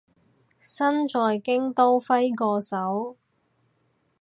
身在京都揮個手